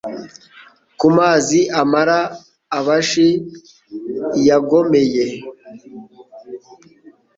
Ku mazi amara Abashi yagomeye,